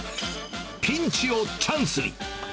ピンチをチャンスに。